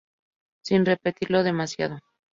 Sin repetirlo demasiado.